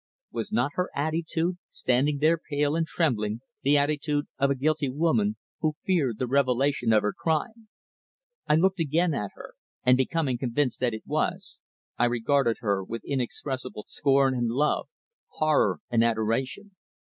Was not her attitude, standing there pale and trembling, the attitude of a guilty woman who feared the revelation of her crime? I looked again at her, and becoming convinced that it was, I regarded her with inexpressible scorn and love, horror and adoration.